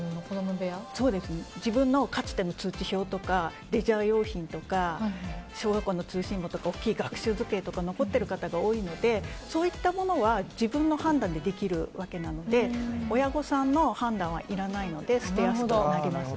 自分のかつての通知表とかレジャー用品とか小学校の通信簿とか大きい学習机とか残ってる方が多いのでそういったものは自分の判断でできるわけなので親御さんの判断はいらないので捨てやすくなります。